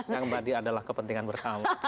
yang badi adalah kepentingan bersama